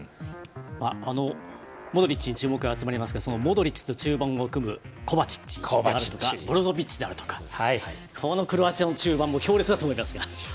モドリッチに注目が集まりますがモドリッチと中盤を組むコバチッチだとかブロゾビッチであるとかクロアチアの中盤も強烈だと思いますよ。